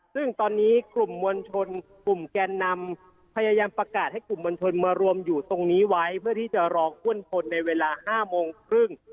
ซึ่งตอนนี้กลุ่มมวลชนกลุ่มแกนนำพยายามประกาศให้กลุ่มมวลชนมารวมอยู่ตรงนี้ไว้เพื่อที่จะรออ้วนคนในเวลา๕โมงครึ่ง